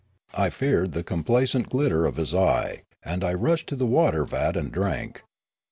I feared the complacent glitter of his eye, and I rushed to the water vat and drank.